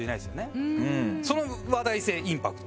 その話題性インパクト。